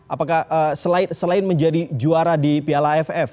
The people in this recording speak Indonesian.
apakah selain menjadi juara di piala aff